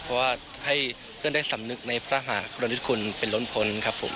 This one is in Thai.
เพราะว่าให้เพื่อนได้สำนึกในพระมหากรุณิชคุณเป็นล้นพ้นครับผม